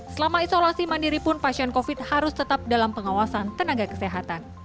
selama isolasi mandiri pun pasien covid harus tetap dalam pengawasan tenaga kesehatan